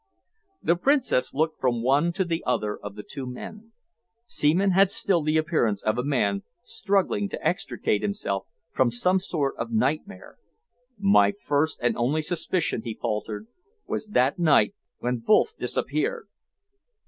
The Princess looked from one to the other of the two men. Seaman had still the appearance of a man struggling to extricate himself from some sort of nightmare. "My first and only suspicion," he faltered, "was that night when Wolff disappeared!"